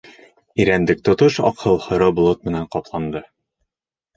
Ирәндек тотош аҡһыл һоро болот менән ҡапланды.